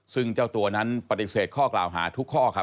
ซึ่งเจ้าตัวนั้นปฏิเสธข้อกล่าวหาทุกข้อครับ